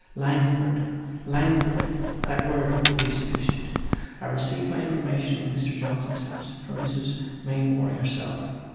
Langford! Langford! that word will be sufficient. I received my information in Mr. Johnson's house, from Mrs. Mainwaring herself.